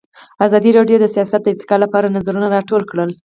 ازادي راډیو د سیاست د ارتقا لپاره نظرونه راټول کړي.